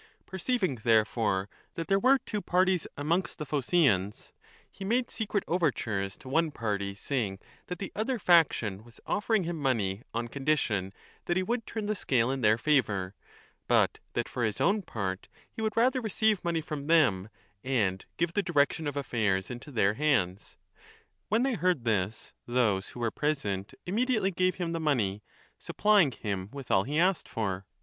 Perceiving therefore that there were two parties amongst the Phocaeans, he made secret i348 b overtures to one party saying that the other faction was offering him money on condition that he would turn the scale in their favour, but that for his own part he would rather receive money from them and give the direction of affairs into their hands. When they heard this, those who were present immediately gave him the money, supplying 5 him with all he asked for.